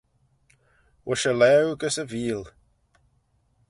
Voish y laue gys y veeal